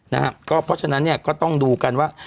เพราะฉะนั้นเนี่ยก็ต้องดูกันว่า